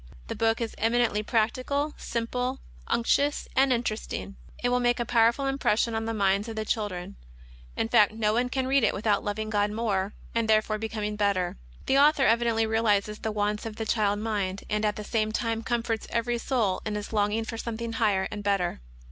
The book is eminently practical, simple, unctuous, and interesting. It will make a powerful impression on the minds of the children. In fact no one can read it without loving God more, and therefore becoming better. The Author evidently realizes the wants of the child mind, and, at the same time, comforts every soul in its longing for something higher and better.